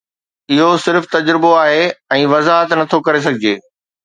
اهو صرف تجربو آهي ۽ وضاحت نه ٿو ڪري سگهجي